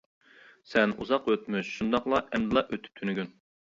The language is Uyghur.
سەن — ئۇزاق ئۆتمۈش، شۇنداقلا ئەمدىلا ئۆتۈپ تۈنۈگۈن.